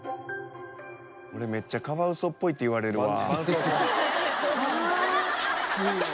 俺めっちゃカワウソっぽいって言われるわ。